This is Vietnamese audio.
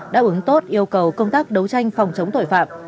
đáp ứng tốt yêu cầu công tác đấu tranh phòng chống tội phạm